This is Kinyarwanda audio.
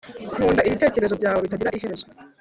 nkunda ibitekerezo byawe bitagira iherezo